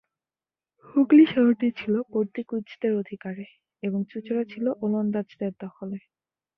হুগলী শহরটি ছিল পর্তুগিজদের অধিকারে এবং চুঁচুড়া ছিল ওলন্দাজদের দখলে।